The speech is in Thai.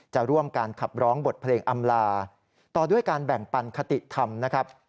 จะร่วมการขับร้องบทเพลงอำลาต่อด้วยการแบ่งปันคติธรรมนะครับ